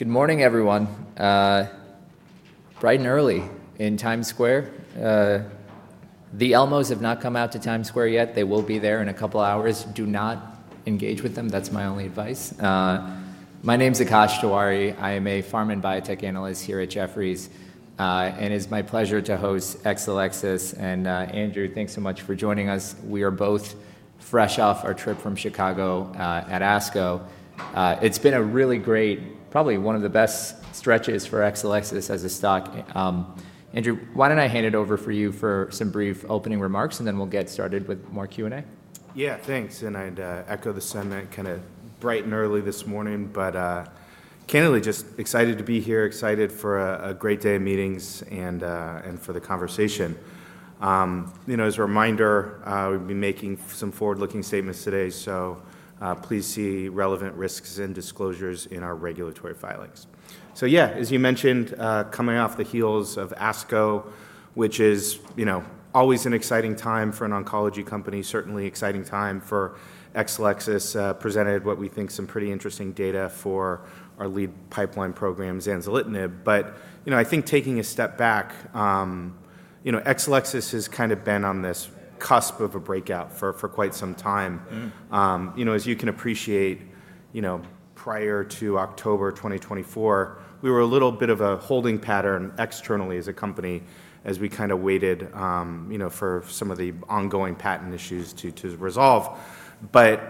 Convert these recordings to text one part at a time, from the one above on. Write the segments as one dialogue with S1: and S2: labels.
S1: Good morning, everyone. Bright and early in Times Square. The Elmos have not come out to Times Square yet. They will be there in a couple of hours. Do not engage with them. That's my only advice. My name's Akash Tewari. I am a farm and biotech analyst here at Jefferies. It is my pleasure to host Exelixis. Andrew, thanks so much for joining us. We are both fresh off our trip from Chicago, at ASCO. It's been a really great, probably one of the best stretches for Exelixis as a stock. Andrew, why don't I hand it over for you for some brief opening remarks, and then we'll get started with more Q&A?
S2: Yeah, thanks. I'd echo the sentiment, kind of bright and early this morning, but, candidly, just excited to be here, excited for a great day of meetings and for the conversation. You know, as a reminder, we've been making some forward-looking statements today, so please see relevant risks and disclosures in our regulatory filings. Yeah, as you mentioned, coming off the heels of ASCO, which is, you know, always an exciting time for an oncology company, certainly an exciting time for Exelixis, presented what we think is some pretty interesting data for our lead pipeline program, Zanzalintinib. You know, I think taking a step back, Exelixis has kind of been on this cusp of a breakout for quite some time. You know, as you can appreciate, you know, prior to October 2024, we were a little bit of a holding pattern externally as a company as we kind of waited, you know, for some of the ongoing patent issues to resolve.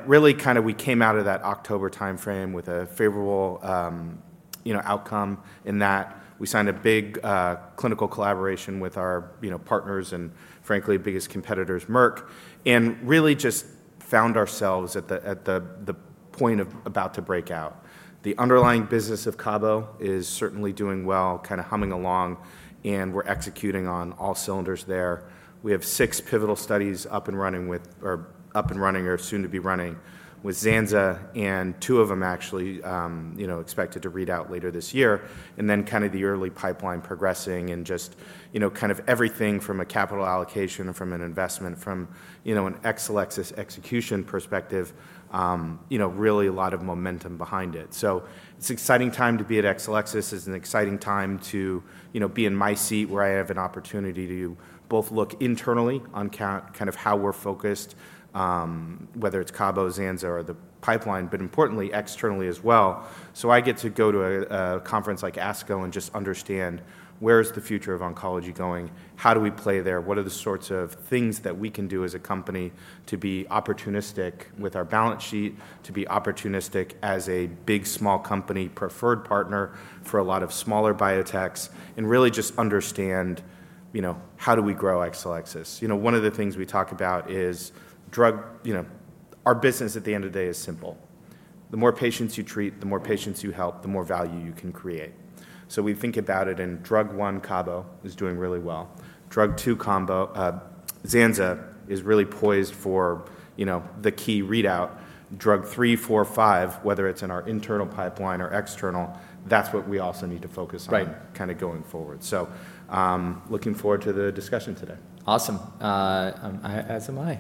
S2: Really kind of we came out of that October timeframe with a favorable, you know, outcome in that we signed a big clinical collaboration with our, you know, partners and, frankly, biggest competitors, Merck, and really just found ourselves at the point of about to break out. The underlying business of Cabo is certainly doing well, kind of humming along, and we're executing on all cylinders there. We have six pivotal studies up and running or soon to be running with Zanza, and two of them actually, you know, expected to read out later this year. Kind of the early pipeline progressing and just, you know, kind of everything from a capital allocation, from an investment, from, you know, an Exelixis execution perspective, you know, really a lot of momentum behind it. It is an exciting time to be at Exelixis. It is an exciting time to, you know, be in my seat where I have an opportunity to both look internally on kind of how we're focused, whether it's Cabo, Zanza, or the pipeline, but importantly, externally as well. I get to go to a conference like ASCO and just understand where's the future of oncology going, how do we play there, what are the sorts of things that we can do as a company to be opportunistic with our balance sheet, to be opportunistic as a big small company preferred partner for a lot of smaller biotechs, and really just understand, you know, how do we grow Exelixis. You know, one of the things we talk about is drug, you know, our business at the end of the day is simple. The more patients you treat, the more patients you help, the more value you can create. We think about it in drug one, Cabo is doing really well. Drug 2, Combo, Zanza is really poised for, you know, the key readout. Drug 3, 4, 5, whether it's in our internal pipeline or external, that's what we also need to focus on.
S1: Right.
S2: Kind of going forward. Looking forward to the discussion today.
S1: Awesome. I, as am I.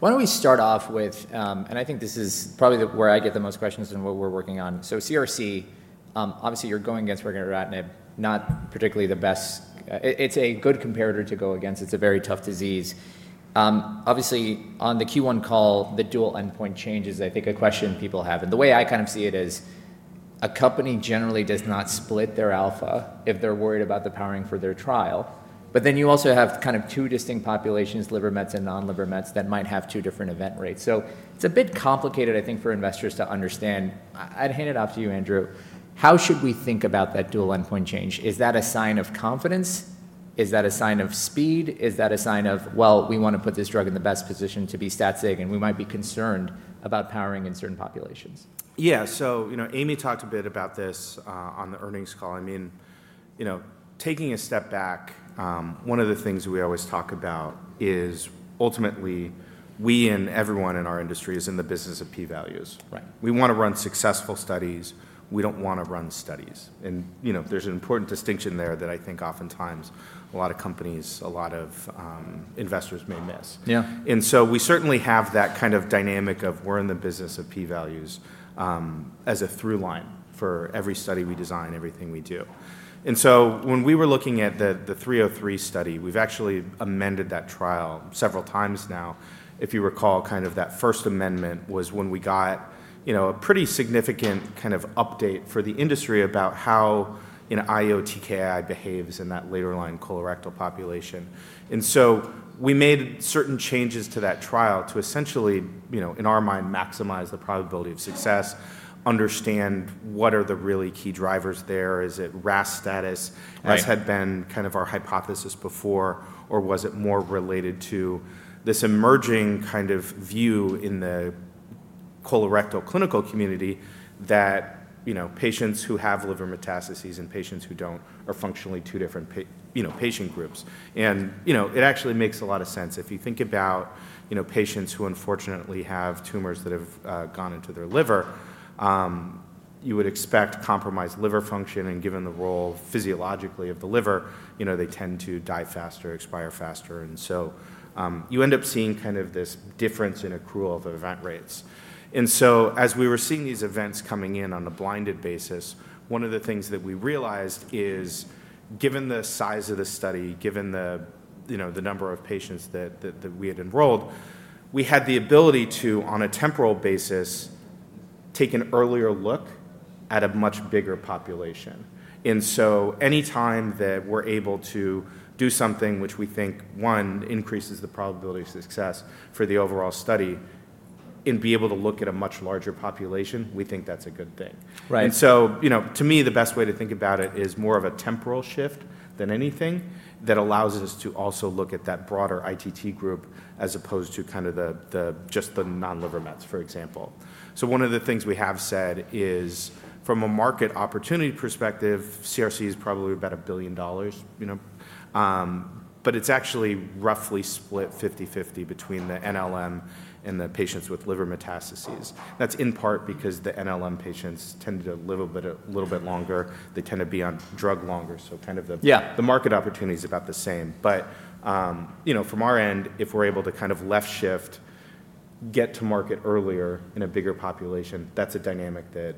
S1: Why don't we start off with, and I think this is probably where I get the most questions and what we're working on. So CRC, obviously you're going against regorafenib, not particularly the best, it's a good comparator to go against. It's a very tough disease. Obviously on the Q1 call, the dual endpoint changes, I think, a question people have. The way I kind of see it is a company generally does not split their alpha if they're worried about the powering for their trial. Then you also have kind of two distinct populations, liver mets and non-liver mets, that might have two different event rates. It's a bit complicated, I think, for investors to understand. I'd hand it off to you, Andrew. How should we think about that dual endpoint change? Is that a sign of confidence? Is that a sign of speed? Is that a sign of, well, we want to put this drug in the best position to be stat-saving, and we might be concerned about powering in certain populations?
S2: Yeah. So, you know, Amy Peterson talked a bit about this, on the earnings call. I mean, you know, taking a step back, one of the things we always talk about is ultimately we and everyone in our industry is in the business of P-values.
S1: Right.
S2: We want to run successful studies. We do not want to run studies. You know, there is an important distinction there that I think oftentimes a lot of companies, a lot of investors may miss.
S1: Yeah.
S2: We certainly have that kind of dynamic of we're in the business of P-values, as a through line for every study we design, everything we do. When we were looking at the 303 study, we've actually amended that trial several times now. If you recall, that first amendment was when we got, you know, a pretty significant kind of update for the industry about how, you know, IO-TKI behaves in that later line colorectal population. We made certain changes to that trial to essentially, you know, in our mind, maximize the probability of success, understand what are the really key drivers there. Is it RAS status?
S1: Right.
S2: Has that been kind of our hypothesis before, or was it more related to this emerging kind of view in the colorectal clinical community that, you know, patients who have liver metastases and patients who do not are functionally two different, you know, patient groups? You know, it actually makes a lot of sense. If you think about, you know, patients who unfortunately have tumors that have gone into their liver, you would expect compromised liver function. Given the role physiologically of the liver, you know, they tend to die faster, expire faster. You end up seeing kind of this difference in accrual of event rates. As we were seeing these events coming in on a blinded basis, one of the things that we realized is given the size of the study, given the, you know, the number of patients that we had enrolled, we had the ability to, on a temporal basis, take an earlier look at a much bigger population. Anytime that we're able to do something which we think, one, increases the probability of success for the overall study and be able to look at a much larger population, we think that's a good thing.
S1: Right.
S2: You know, to me, the best way to think about it is more of a temporal shift than anything that allows us to also look at that broader ITT group as opposed to just the non-liver mets, for example. One of the things we have said is from a market opportunity perspective, CRC is probably about $1 billion, you know, but it's actually roughly split 50/50 between the NLM and the patients with liver metastases. That's in part because the NLM patients tend to live a little bit longer. They tend to be on drug longer. Kind of the.
S1: Yeah.
S2: The market opportunity is about the same. You know, from our end, if we're able to kind of left shift, get to market earlier in a bigger population, that's a dynamic that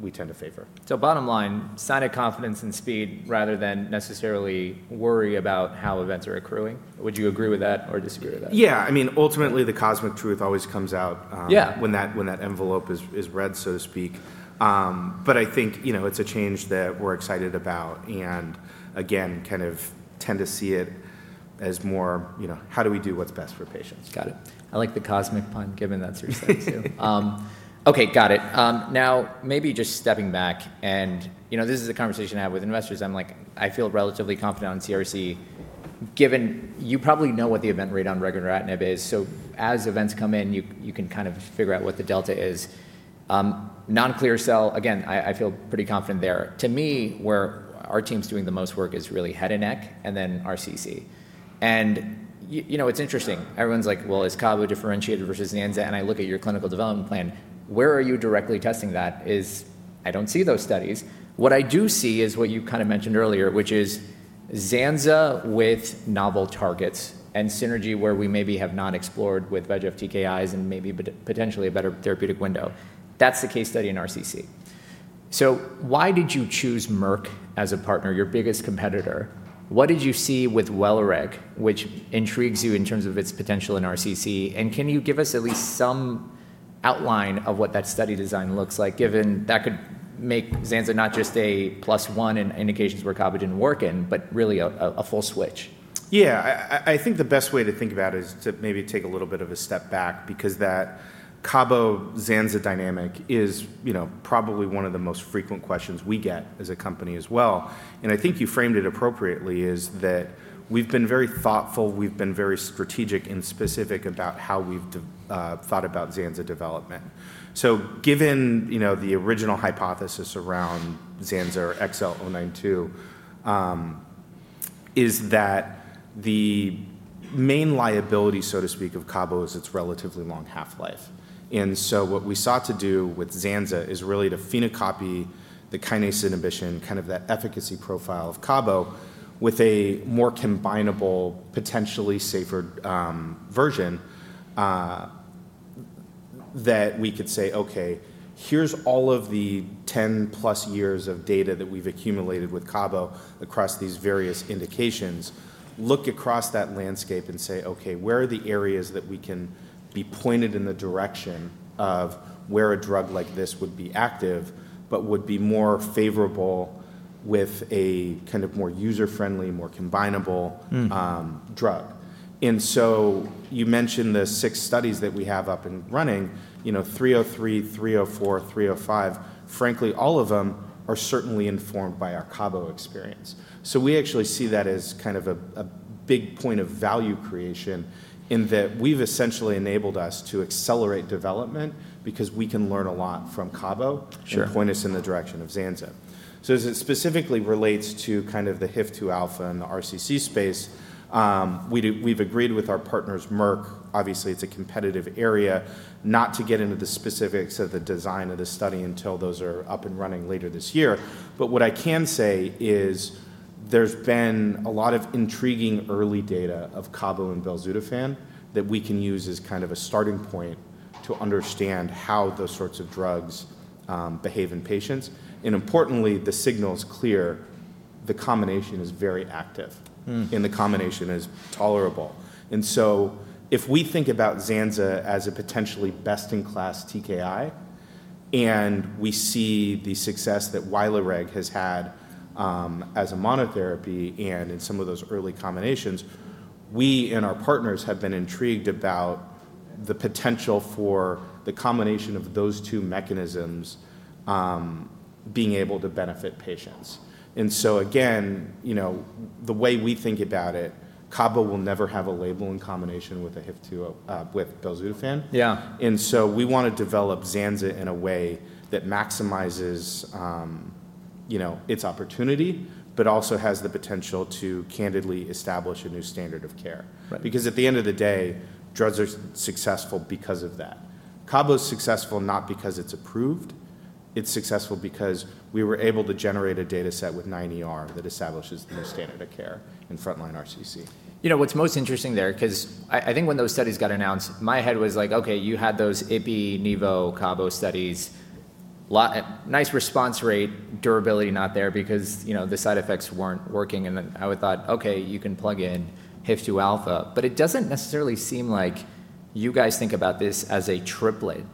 S2: we tend to favor.
S1: Bottom line, sign of confidence and speed rather than necessarily worry about how events are accruing. Would you agree with that or disagree with that?
S2: Yeah. I mean, ultimately, the cosmic truth always comes out.
S1: Yeah.
S2: When that envelope is read, so to speak. I think, you know, it's a change that we're excited about and again, kind of tend to see it as more, you know, how do we do what's best for patients?
S1: Got it. I like the cosmic pun given that's your study too. Okay, got it. Now maybe just stepping back and, you know, this is a conversation I have with investors. I'm like, I feel relatively confident on CRC given you probably know what the event rate on regorafenib is. As events come in, you can kind of figure out what the delta is. Non-clear cell, again, I feel pretty confident there. To me, where our team's doing the most work is really head and neck and then RCC. You know, it's interesting. Everyone's like, well, is Cabo differentiated versus Zanza? I look at your clinical development plan. Where are you directly testing that is I don't see those studies. What I do see is what you kind of mentioned earlier, which is Zanza with novel targets and synergy where we maybe have not explored with VEGF TKIs and maybe potentially a better therapeutic window. That is the case study in RCC. Why did you choose Merck as a partner, your biggest competitor? What did you see with belzutifan, which intrigues you in terms of its potential in RCC? Can you give us at least some outline of what that study design looks like given that could make Zanza not just a plus one in indications where Cabo did not work in, but really a full switch?
S2: Yeah. I think the best way to think about it is to maybe take a little bit of a step back because that Cabo Zanza dynamic is, you know, probably one of the most frequent questions we get as a company as well. I think you framed it appropriately is that we've been very thoughtful, we've been very strategic and specific about how we've thought about Zanza development. Given, you know, the original hypothesis around Zanza or XL092, is that the main liability, so to speak, of Cabo is its relatively long half-life. What we sought to do with Zanza is really to phenocopy the kinase inhibition, kind of that efficacy profile of Cabo with a more combinable, potentially safer version, that we could say, okay, here is all of the 10-plus years of data that we have accumulated with Cabo across these various indications. Look across that landscape and say, okay, where are the areas that we can be pointed in the direction of where a drug like this would be active, but would be more favorable with a kind of more user-friendly, more combinable drug. You mentioned the six studies that we have up and running, you know, 303, 304, 305, frankly, all of them are certainly informed by our Cabo experience. We actually see that as kind of a big point of value creation in that we've essentially enabled us to accelerate development because we can learn a lot from Cabo.
S1: Sure.
S2: Point us in the direction of Zanza. As it specifically relates to kind of the HIF-2α in the RCC space, we do, we've agreed with our partners, Merck, obviously it's a competitive area, not to get into the specifics of the design of the study until those are up and running later this year. What I can say is there's been a lot of intriguing early data of Cabo and Belzutifan that we can use as kind of a starting point to understand how those sorts of drugs behave in patients. Importantly, the signal is clear. The combination is very active.
S1: Mm-hmm.
S2: The combination is tolerable. If we think about Zanza as a potentially best-in-class TKI and we see the success that Welireg has had, as a monotherapy and in some of those early combinations, we and our partners have been intrigued about the potential for the combination of those two mechanisms, being able to benefit patients. Again, you know, the way we think about it, Cabo will never have a label in combination with a HIF-2α, with belzutifan.
S1: Yeah.
S2: We want to develop Zanza in a way that maximizes, you know, its opportunity, but also has the potential to candidly establish a new standard of care.
S1: Right.
S2: Because at the end of the day, drugs are successful because of that. Cabo's successful not because it's approved. It's successful because we were able to generate a dataset with 9ER that establishes the new standard of care in frontline RCC.
S1: You know, what's most interesting there, 'cause I think when those studies got announced, my head was like, okay, you had those IPI, NEVO, Cabo studies, lot nice response rate, durability not there because, you know, the side effects weren't working. And then I would thought, okay, you can plug in HIF-2α, but it doesn't necessarily seem like you guys think about this as a triplet.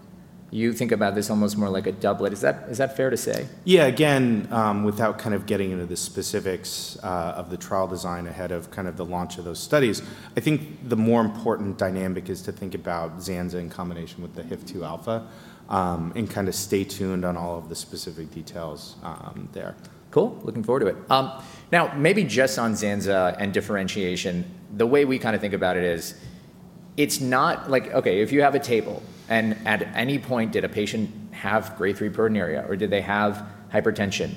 S1: You think about this almost more like a doublet. Is that, is that fair to say?
S2: Yeah. Again, without kind of getting into the specifics of the trial design ahead of kind of the launch of those studies, I think the more important dynamic is to think about Zanza in combination with the HIF-2α, and kind of stay tuned on all of the specific details there.
S1: Cool. Looking forward to it. Now maybe just on Zanza and differentiation, the way we kind of think about it is it's not like, okay, if you have a table and at any point did a patient have grade three proteinuria or did they have hypertension,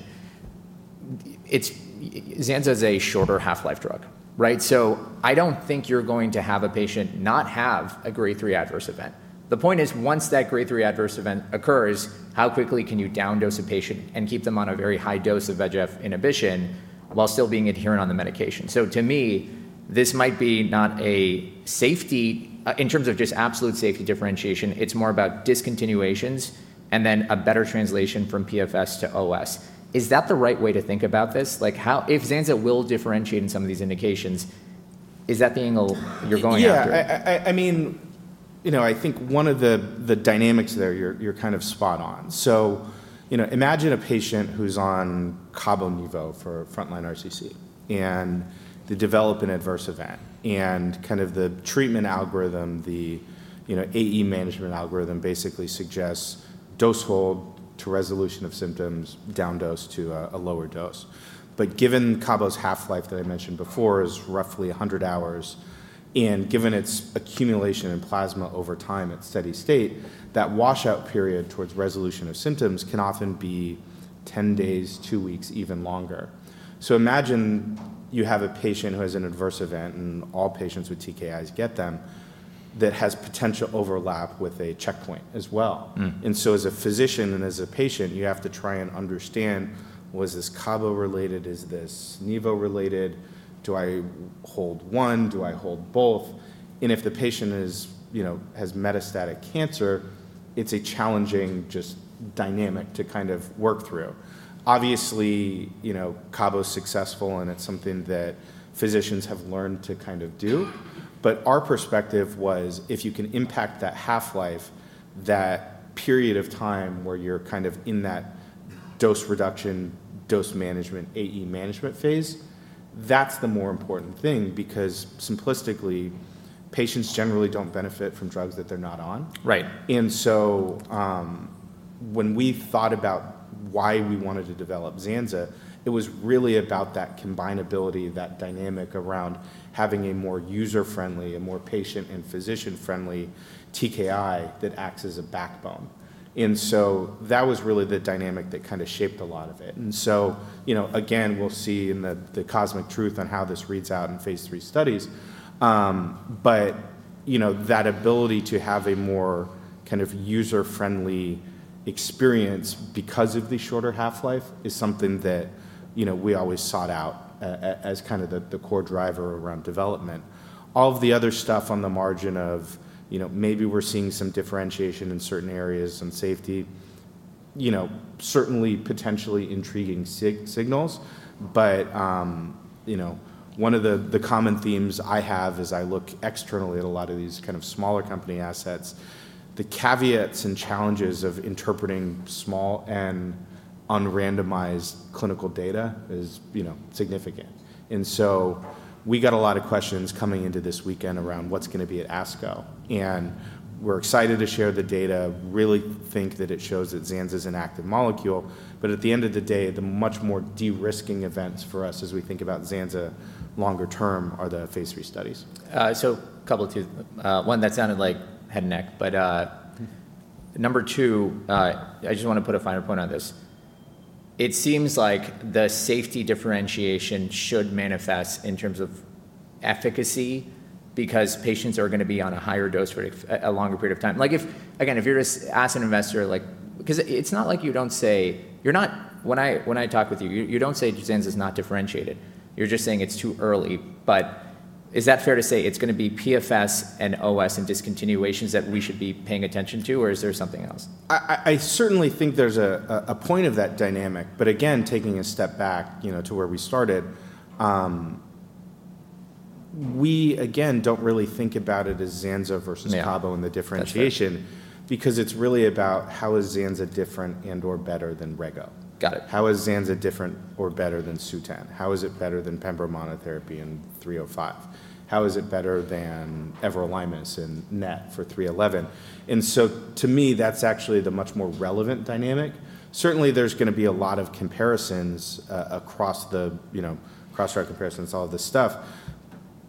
S1: it's Zanza's a shorter half-life drug, right? I don't think you're going to have a patient not have a grade 3 adverse event. The point is once that grade three adverse event occurs, how quickly can you down-dose a patient and keep them on a very high dose of VEGF inhibition while still being adherent on the medication? To me, this might be not a safety, in terms of just absolute safety differentiation, it's more about discontinuations and then a better translation from PFS to OS. Is that the right way to think about this? Like how, if Zanza will differentiate in some of these indications, is that the angle you're going after?
S2: Yeah. I mean, you know, I think one of the dynamics there, you're kind of spot on. You know, imagine a patient who's on Cabo Nevo for frontline RCC and they develop an adverse event and kind of the treatment algorithm, the, you know, AE management algorithm basically suggests dose hold to resolution of symptoms, down-dose to a lower dose. Given Cabo's half-life that I mentioned before is roughly 100 hours, and given its accumulation in plasma over time at steady state, that washout period towards resolution of symptoms can often be 10 days, 2 weeks, even longer. Imagine you have a patient who has an adverse event, and all patients with TKIs get them, that has potential overlap with a checkpoint as well.
S1: Mm-hmm.
S2: As a physician and as a patient, you have to try and understand, was this Cabo related? Is this Nevo related? Do I hold one? Do I hold both? If the patient is, you know, has metastatic cancer, it's a challenging just dynamic to kind of work through. Obviously, you know, Cabo's successful and it's something that physicians have learned to kind of do. Our perspective was if you can impact that half-life, that period of time where you're kind of in that dose reduction, dose management, AE management phase, that's the more important thing because simplistically, patients generally don't benefit from drugs that they're not on.
S1: Right.
S2: When we thought about why we wanted to develop Zanza, it was really about that combinability, that dynamic around having a more user-friendly, a more patient and physician-friendly TKI that acts as a backbone. That was really the dynamic that kind of shaped a lot of it. You know, again, we'll see in the cosmic truth on how this reads out in phase 3 studies. You know, that ability to have a more kind of user-friendly experience because of the shorter half-life is something that, you know, we always sought out as kind of the core driver around development. All of the other stuff on the margin of, you know, maybe we're seeing some differentiation in certain areas, some safety, you know, certainly potentially intriguing signals. You know, one of the common themes I have is I look externally at a lot of these kind of smaller company assets. The caveats and challenges of interpreting small and unrandomized clinical data is, you know, significant. We got a lot of questions coming into this weekend around what's gonna be at ASCO. We're excited to share the data, really think that it shows that Zanza's an active molecule. At the end of the day, the much more de-risking events for us as we think about Zanza longer term are the phase three studies.
S1: A couple to, one that sounded like head and neck, but, number two, I just wanna put a finer point on this. It seems like the safety differentiation should manifest in terms of efficacy because patients are gonna be on a higher dose for a longer period of time. Like if, again, if you're just asking an investor, like, 'cause it's not like you don't say, you're not, when I, when I talk with you, you, you don't say Zanza's not differentiated. You're just saying it's too early. Is that fair to say it's gonna be PFS and OS and discontinuations that we should be paying attention to, or is there something else?
S2: I certainly think there's a point of that dynamic. Again, taking a step back, you know, to where we started, we again don't really think about it as Zanza versus Cabo and the differentiation.
S1: Gotcha.
S2: Because it's really about how is Zanza different and/or better than Rego.
S1: Got it.
S2: How is Zanza different or better than Sunitinib? How is it better than pembrolizumab therapy and 305? How is it better than everolimus and NET for 311? To me, that's actually the much more relevant dynamic. Certainly there's gonna be a lot of comparisons, across the, you know, cross-road comparisons, all of this stuff.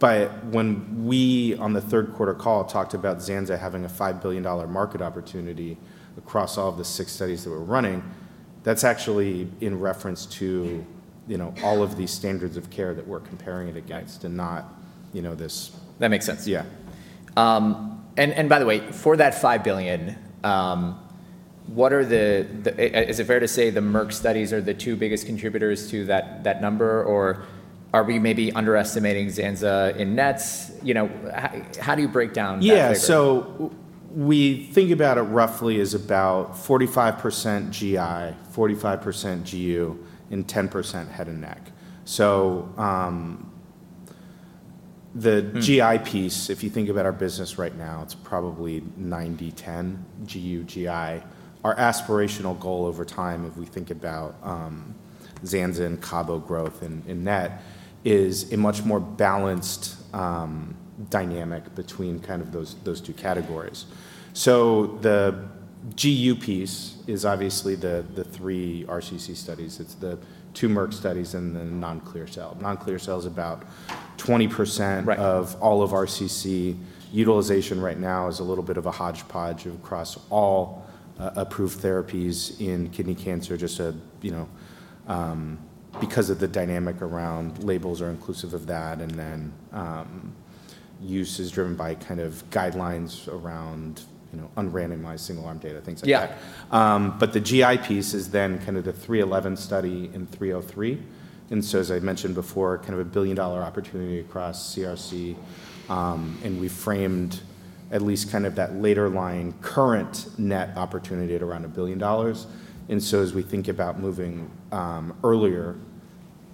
S2: When we on the third quarter call talked about Zanza having a $5 billion market opportunity across all of the six studies that we're running, that's actually in reference to, you know, all of these standards of care that we're comparing it against and not, you know, this.
S1: That makes sense.
S2: Yeah.
S1: And by the way, for that $5 billion, what are the, is it fair to say the Merck studies are the two biggest contributors to that number, or are we maybe underestimating Zanza in NETs? You know, how do you break down that figure?
S2: Yeah. We think about it roughly as about 45% GI, 45% GU, and 10% head and neck. The GI piece, if you think about our business right now, it's probably 90-10 GU, GI. Our aspirational goal over time, if we think about Zanza and Cabo growth and net, is a much more balanced dynamic between those two categories. The GU piece is obviously the three RCC studies. It's the two Merck studies and the non-clear cell. Non-clear cell's about 20%.
S1: Right.
S2: Of all of RCC utilization right now is a little bit of a hodgepodge across all approved therapies in kidney cancer, just a, you know, because of the dynamic around labels are inclusive of that. Then, use is driven by kind of guidelines around, you know, unrandomized single-arm data, things like that.
S1: Yeah.
S2: but the GI piece is then kind of the 311 study and 303. And as I mentioned before, kind of a billion-dollar opportunity across CRC. and we framed at least kind of that later line current net opportunity at around a billion dollars. And as we think about moving, earlier,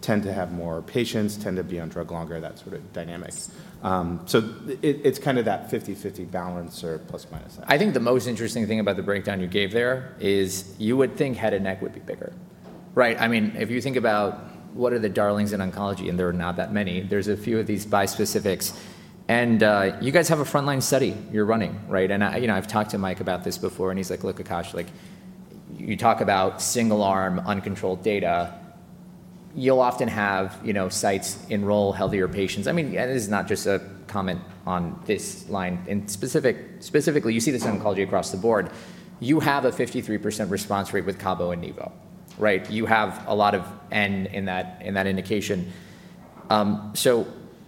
S2: tend to have more patients, tend to be on drug longer, that sort of dynamic. so it, it's kind of that 50/50 balance or plus minus that.
S1: I think the most interesting thing about the breakdown you gave there is you would think head and neck would be bigger, right? I mean, if you think about what are the darlings in oncology, and there are not that many, there's a few of these bi-specifics. And, you guys have a frontline study you're running, right? And I, you know, I've talked to Mike about this before, and he is like, "Look, Akash, like you talk about single-arm uncontrolled data, you'll often have, you know, sites enroll healthier patients." I mean, and this is not just a comment on this line in specific, specifically you see this in oncology across the board. You have a 53% response rate with Cabo and Nevo, right? You have a lot of N in that, in that indication. so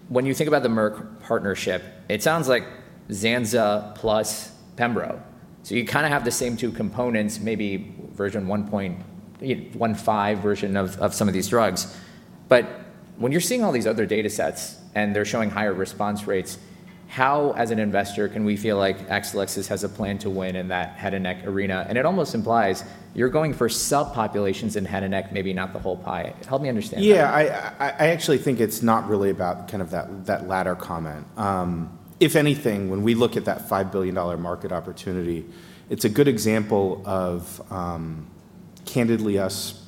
S1: when you think about the Merck partnership, it sounds like Zanza plus Pembro. You kind of have the same two components, maybe version 1.15 version of some of these drugs. When you're seeing all these other datasets and they're showing higher response rates, how, as an investor, can we feel like Exelixis has a plan to win in that head and neck arena? It almost implies you're going for subpopulations in head and neck, maybe not the whole pie. Help me understand that.
S2: Yeah. I actually think it's not really about kind of that, that latter comment. If anything, when we look at that $5 billion market opportunity, it's a good example of, candidly us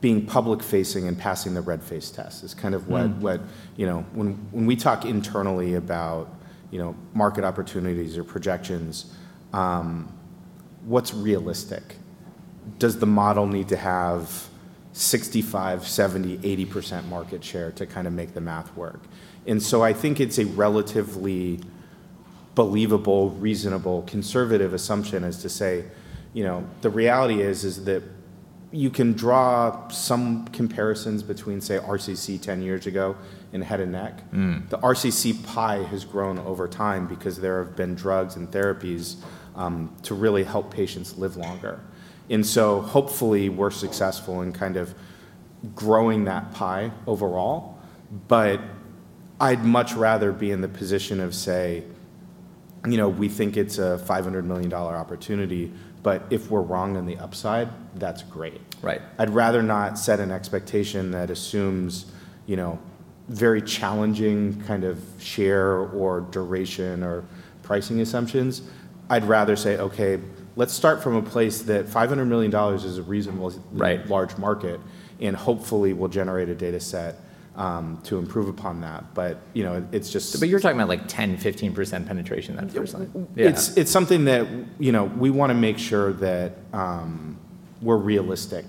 S2: being public-facing and passing the red face test is kind of what, what, you know, when we talk internally about, you know, market opportunities or projections, what's realistic? Does the model need to have 65%, 70%, 80% market share to kind of make the math work? I think it's a relatively believable, reasonable, conservative assumption as to say, you know, the reality is, is that you can draw some comparisons between, say, RCC 10 years ago and head and neck.
S1: Mm-hmm.
S2: The RCC pie has grown over time because there have been drugs and therapies, to really help patients live longer. Hopefully we're successful in kind of growing that pie overall. I'd much rather be in the position of say, you know, we think it's a $500 million opportunity, but if we're wrong on the upside, that's great.
S1: Right.
S2: I'd rather not set an expectation that assumes, you know, very challenging kind of share or duration or pricing assumptions. I'd rather say, okay, let's start from a place that $500 million is reasonable.
S1: Right.
S2: Large market and hopefully we'll generate a dataset, to improve upon that. You know, it's just.
S1: You're talking about like 10-15% penetration. That's what you're saying.
S2: Yeah. It's, it's something that, you know, we wanna make sure that, we're realistic,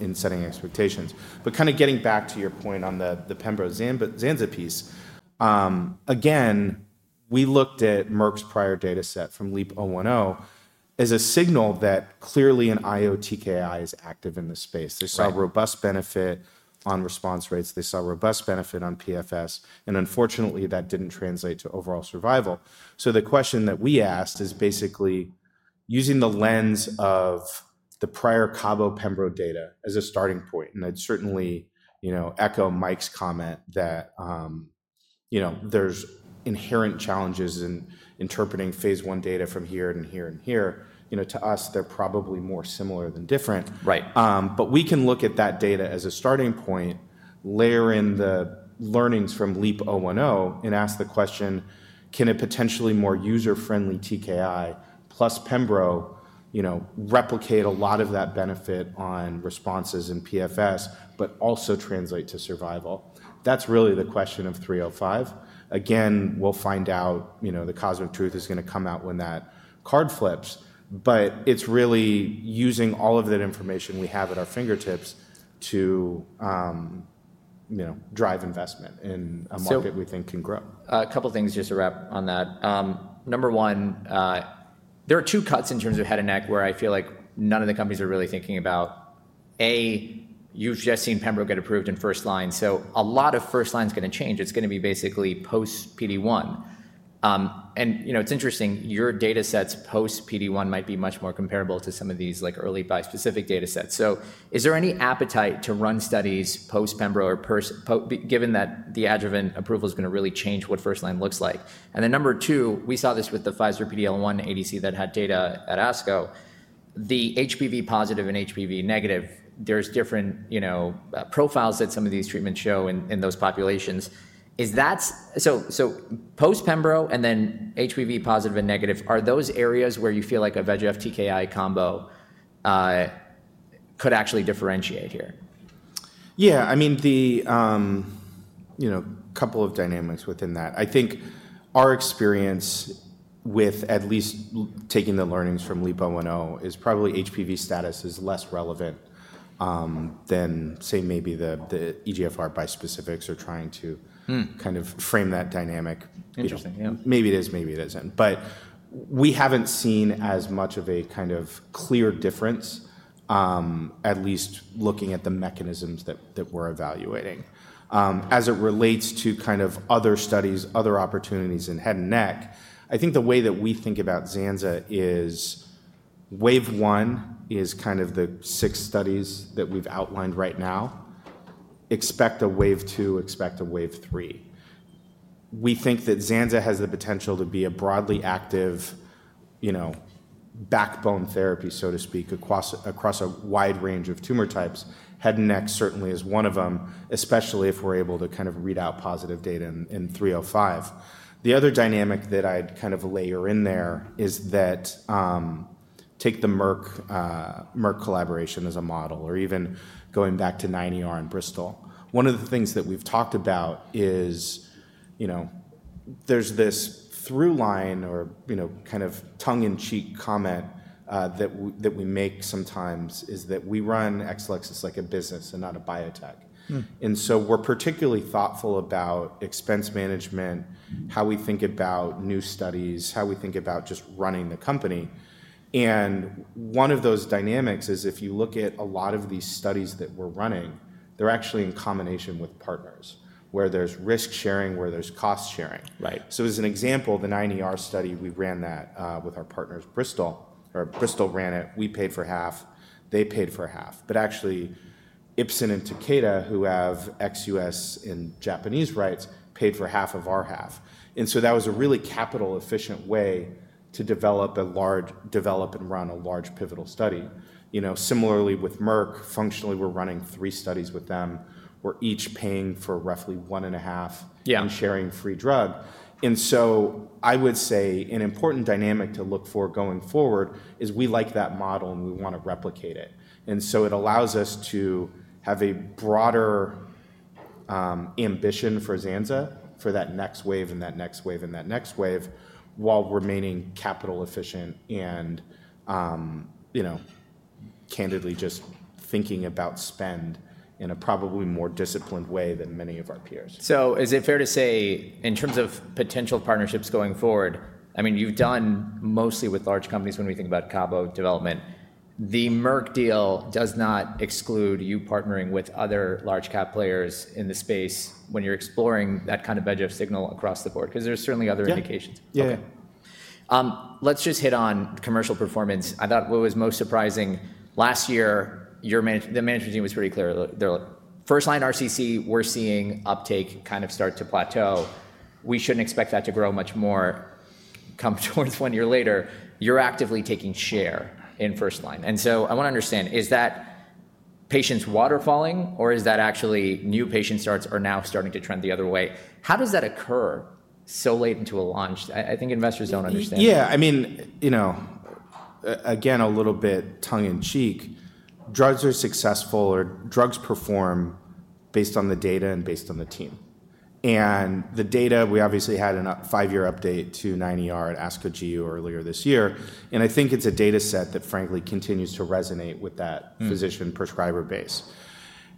S2: in setting expectations. Kind of getting back to your point on the, the Pembro Zanza piece, again, we looked at Merck's prior dataset from LEAP-010 as a signal that clearly an IO-TKI is active in the space. They saw robust benefit on response rates. They saw robust benefit on PFS. Unfortunately, that didn't translate to overall survival. The question that we asked is basically using the lens of the prior Cabo Pembro data as a starting point. I'd certainly, you know, echo Mike's comment that, you know, there's inherent challenges in interpreting phase one data from here and here and here. You know, to us, they're probably more similar than different.
S1: Right.
S2: but we can look at that data as a starting point, layer in the learnings from LEAP-010 and ask the question, can a potentially more user-friendly TKI plus Pembro, you know, replicate a lot of that benefit on responses in PFS, but also translate to survival? That's really the question of 305. Again, we'll find out, you know, the cosmic truth is gonna come out when that card flips. It's really using all of that information we have at our fingertips to, you know, drive investment in a market we think can grow.
S1: A couple things just to wrap on that. Number 1, there are 2 cuts in terms of head and neck where I feel like none of the companies are really thinking about. A, you've just seen Pembro get approved in first line. A lot of first line's gonna change. It's gonna be basically post PD1. You know, it's interesting, your datasets post PD1 might be much more comparable to some of these early bi-specific datasets. Is there any appetite to run studies post Pembro or given that the adjuvant approval's gonna really change what first line looks like? Number 2, we saw this with the Pfizer PD-L1 ADC that had data at ASCO, the HPV positive and HPV negative, there's different profiles that some of these treatments show in those populations. Is that, so post Pembro and then HPV positive and negative, are those areas where you feel like a VEGF TKI combo could actually differentiate here?
S2: Yeah. I mean, you know, a couple of dynamics within that. I think our experience with at least taking the learnings from LEAP-010 is probably HPV status is less relevant than, say, maybe the EGFR bi-specifics are trying to kind of frame that dynamic.
S1: Interesting. Yeah.
S2: Maybe it is, maybe it isn't. We haven't seen as much of a kind of clear difference, at least looking at the mechanisms that we're evaluating. As it relates to kind of other studies, other opportunities in head and neck, I think the way that we think about Zanza is wave one is kind of the 6 studies that we've outlined right now, expect a wave 2, expect a wave 3. We think that Zanza has the potential to be a broadly active, you know, backbone therapy, so to speak, across a wide range of tumor types. Head and neck certainly is one of them, especially if we're able to kind of read out positive data in 305. The other dynamic that I'd kind of layer in there is that, take the Merck collaboration as a model, or even going back to 9ER in Bristol. One of the things that we've talked about is, you know, there's this through line or, you know, kind of tongue in cheek comment that we make sometimes is that we run Exelixis like a business and not a biotech.
S1: Mm-hmm.
S2: We are particularly thoughtful about expense management, how we think about new studies, how we think about just running the company. One of those dynamics is if you look at a lot of these studies that we are running, they are actually in combination with partners where there is risk sharing, where there is cost sharing.
S1: Right.
S2: As an example, the 9ER study, we ran that with our partners Bristol, or Bristol ran it. We paid for half, they paid for half. Actually, Ipsen and Takeda, who have ex-U.S. and Japanese rights, paid for half of our half. That was a really capital efficient way to develop and run a large pivotal study. You know, similarly with Merck, functionally we're running three studies with them where each paying for roughly one and a half.
S1: Yeah.
S2: Sharing free drug. I would say an important dynamic to look for going forward is we like that model and we wanna replicate it. It allows us to have a broader ambition for Zanza for that next wave and that next wave and that next wave while remaining capital efficient and, you know, candidly just thinking about spend in a probably more disciplined way than many of our peers.
S1: Is it fair to say in terms of potential partnerships going forward, I mean, you've done mostly with large companies when we think about Cabo development. The Merck deal does not exclude you partnering with other large cap players in the space when you're exploring that kind of VEGF signal across the board, 'cause there's certainly other indications.
S2: Yeah.
S1: Okay. Let's just hit on commercial performance. I thought what was most surprising last year, your management, the management team was pretty clear. Their first line RCC, we're seeing uptake kind of start to plateau. We shouldn't expect that to grow much more come towards one year later. You're actively taking share in first line. I wanna understand, is that patients waterfalling or is that actually new patient starts are now starting to trend the other way? How does that occur so late into a launch? I think investors don't understand.
S2: Yeah. I mean, you know, again, a little bit tongue in cheek, drugs are successful or drugs perform based on the data and based on the team. And the data, we obviously had a 5-year update to 9ER at ASCO GU earlier this year. I think it's a dataset that frankly continues to resonate with that physician prescriber base.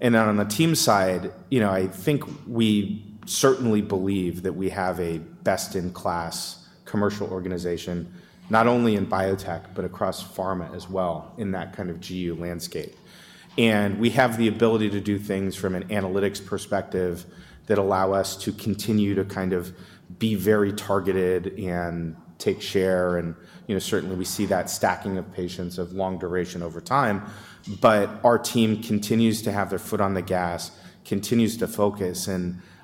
S2: On the team side, you know, I think we certainly believe that we have a best in class commercial organization, not only in biotech, but across pharma as well in that kind of GU landscape. We have the ability to do things from an analytics perspective that allow us to continue to kind of be very targeted and take share. You know, certainly we see that stacking of patients of long duration over time, but our team continues to have their foot on the gas, continues to focus.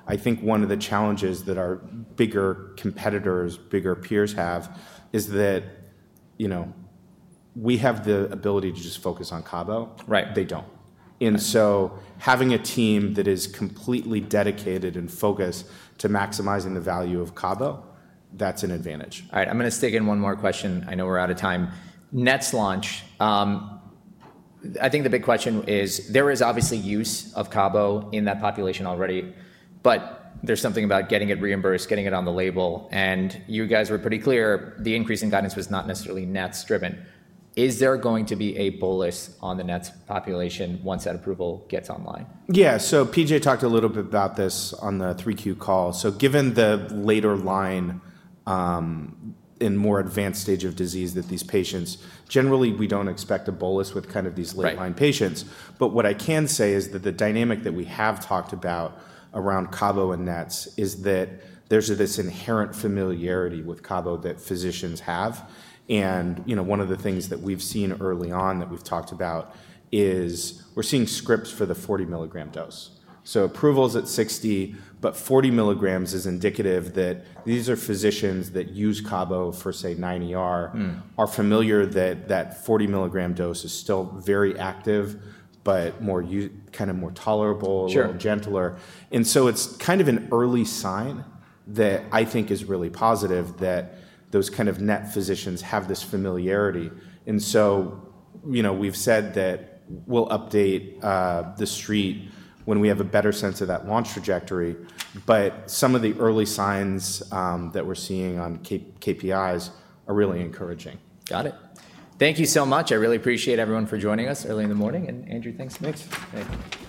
S2: I think one of the challenges that our bigger competitors, bigger peers have is that, you know, we have the ability to just focus on Cabo.
S1: Right.
S2: They do not. And so having a team that is completely dedicated and focused to maximizing the value of Cabo, that is an advantage.
S1: All right. I'm gonna stick in one more question. I know we're out of time. NETs launch, I think the big question is there is obviously use of Cabo in that population already, but there's something about getting it reimbursed, getting it on the label. And you guys were pretty clear the increase in guidance was not necessarily NETs driven. Is there going to be a bolus on the NETs population once that approval gets online?
S2: Yeah. PJ talked a little bit about this on the 3Q call. Given the later line and more advanced stage of disease that these patients, generally we do not expect a bolus with kind of these late line patients.
S1: Right.
S2: What I can say is that the dynamic that we have talked about around Cabo and NETs is that there's this inherent familiarity with Cabo that physicians have. And, you know, one of the things that we've seen early on that we've talked about is we're seeing scripts for the 40 mg dose. Approval's at 60, but 40 milligrams is indicative that these are physicians that use Cabo for, say, 9ER.
S1: Mm-hmm.
S2: Are familiar that that 40 mg dose is still very active, but more, uh, kind of more tolerable.
S1: Sure.
S2: More gentler. And so it's kind of an early sign that I think is really positive that those kind of NET physicians have this familiarity. And so, you know, we've said that we'll update the street when we have a better sense of that launch trajectory. But some of the early signs that we're seeing on KPIs are really encouraging.
S1: Got it. Thank you so much. I really appreciate everyone for joining us early in the morning. Andrew, thanks.
S2: Thanks.
S1: Thanks. That's awesome.